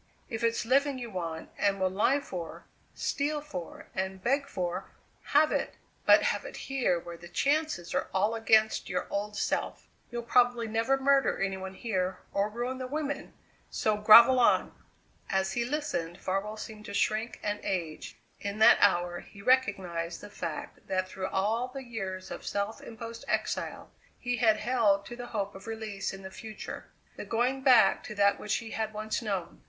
If it's living you want and will lie for, steal for, and beg for have it; but have it here where the chances are all against your old self. You'll probably never murder any one here or ruin the women; so grovel on!" As he listened Farwell seemed to shrink and age. In that hour he recognized the fact that through all the years of self imposed exile he had held to the hope of release in the future: the going back to that which he had once known.